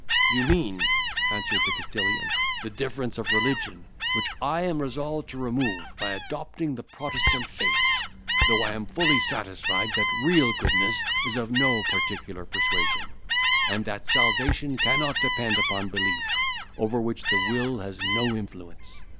"You mean," answered the Castilian, "the difference of religion, which I am resolved to remove by adopting the Protestant faith; though I am fully satisfied that real goodness is of no particular persuasion, and that salvation cannot depend upon belief, over which the will has no influence.